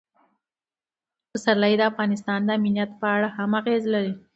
پسرلی د افغانستان د امنیت په اړه هم اغېز لري.